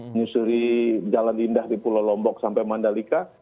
menyusuri jalan indah di pulau lombok sampai mandalika